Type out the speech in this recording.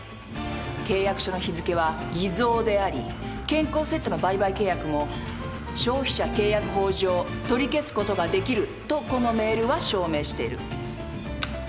契約書の日付は偽造であり健康セットの売買契約も消費者契約法上取り消すことができるとこのメールは証明している。